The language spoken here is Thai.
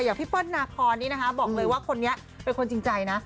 พี่เปิ้ลนาคอนนี่นะคะบอกเลยว่าคนนี้เป็นคนจริงใจนะ